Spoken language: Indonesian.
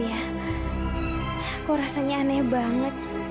aku rasanya aneh banget